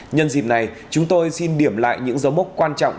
nhân dịp này chúng tôi xin điểm lại những dấu mốc quan trọng